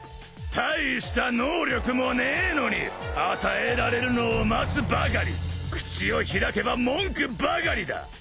大した能力もねえのに与えられるのを待つばかり口を開けば文句ばかりだ！